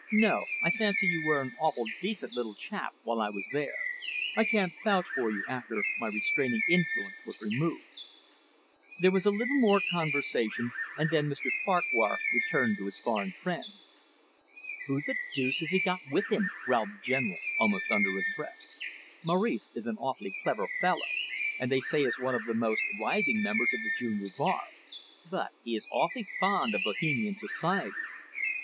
"No, I fancy you were an awful decent little chap while I was there. I can't vouch for you after my restraining influence was removed." There was a little more conversation, and then Mr Farquhar returned to his foreign friend. "Who the deuce has he got with him?" growled the General, almost under his breath. "Maurice is an awfully clever fellow, and they say is one of the most rising members of the junior bar, but he is awfully fond of Bohemian society.